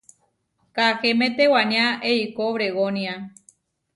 Kahéme tewaniá eikó Obregónia.